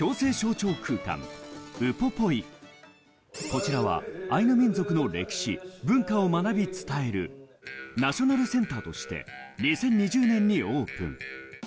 こちらはアイヌ民族の歴史・文化を学び伝えるナショナルセンターとして２０２０年にオープン。